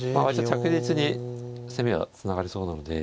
着実に攻めはつながりそうなので。